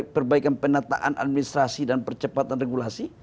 perbaikan penataan administrasi dan percepatan regulasi